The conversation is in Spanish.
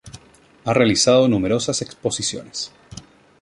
Ha realizado numerosas exposiciones.